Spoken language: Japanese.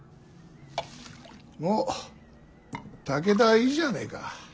もう武田はいいじゃねえか。